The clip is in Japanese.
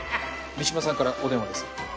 三島さんからお電話です。